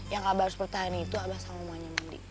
yang abah harus pertahankan itu abah sama mamanya mandi